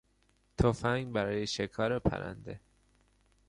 تفنگ برای شکار پرنده